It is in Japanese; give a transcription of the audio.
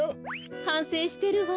はんせいしてるわ。